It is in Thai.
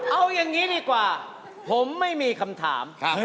เอาอย่างนี้ดีกว่าผมไม่มีคำถาม